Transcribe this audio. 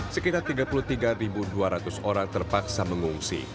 sekitar tiga puluh tiga dua ratus orang terpaksa mengungsi